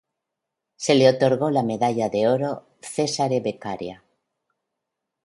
Se le otorgó la medalla de oro Cesare Beccaria.